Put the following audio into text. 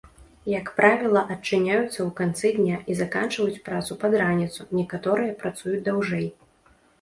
Як правіла адчыняюцца ў канцы дня і заканчваюць працу пад раніцу, некаторыя працуюць даўжэй.